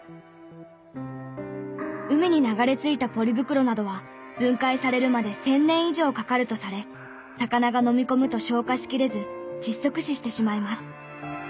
海に流れ着いたポリ袋などは分解されるまで１０００年以上かかるとされ魚が飲み込むと消化しきれず窒息死してしまいます。